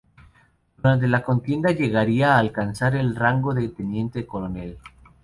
Durante la contienda llegaría a alcanzar el rango de teniente coronel.